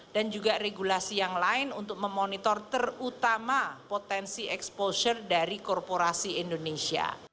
dan juga regulasi yang lain untuk memonitor terutama potensi exposure dari korporasi indonesia